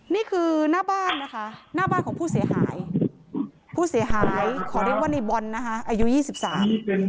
นี่คือหน้าบ้านนะคะหน้าบ้านของผู้เสียหายผู้เสียหายขอเรียกว่าในบอลนะคะอายุยี่สิบสาม